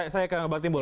saya ke bang timbul